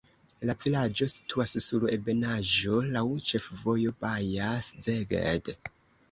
La vilaĝo situas sur ebenaĵo, laŭ ĉefvojo Baja-Szeged.